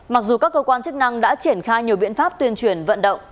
mặc dù các cơ quan chức năng đã triển khai nhiều biện pháp tuyên truyền vận động